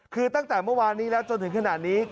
คือตั้งแต่เมื่อวานนี้แล้วจนถึงขนาดนี้